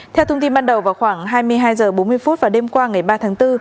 theo thông tin ban đầu vào khoảng hai mươi hai h bốn mươi và đêm qua ngày ba tháng bốn